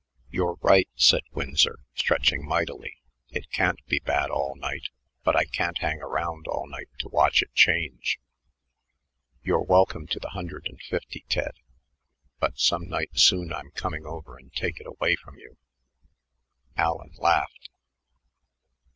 "You're right," said Winsor, stretching mightily. "It can't be bad all night, but I can't hang around all night to watch it change. You're welcome to the hundred and fifty, Ted, but some night soon I'm coming over and take it away from you." Allen laughed.